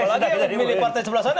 apalagi yang milih partai sebelah sana